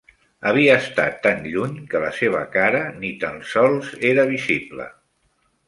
Havia estat tan lluny que la seva cara ni tan sols era visible.